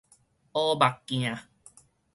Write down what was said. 烏目鏡